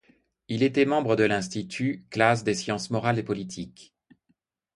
Il était membre de l’Institut, classe des sciences morales et politiques.